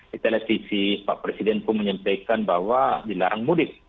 di televisi pak presiden pun menyampaikan bahwa dilarang mudik